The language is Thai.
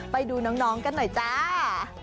ไปดูน้องกันหน่อยจ้า